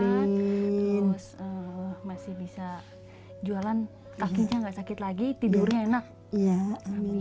terus masih bisa jualan kakinya gak sakit lagi